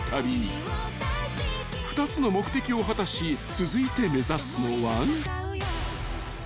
［２つの目的を果たし続いて目指すのは］